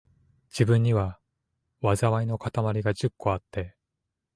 自分には、禍いのかたまりが十個あって、